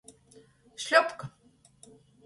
Šļopka.